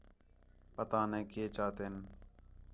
پتا نے کَئے چاتِن